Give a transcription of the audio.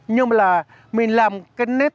nhưng mà là mình làm cái nếp